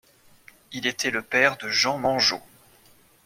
Il était le père de Jean Mangeot.